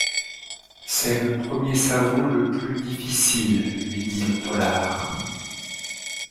C'est le premier savon le plus difficile, lui dit le tôlard.